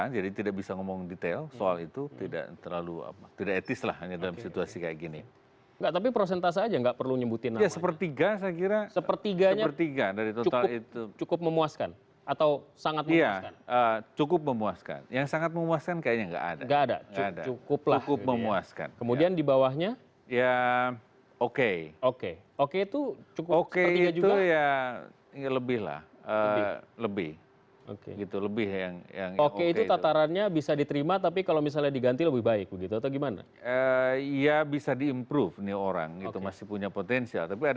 yang jelek banget itu berarti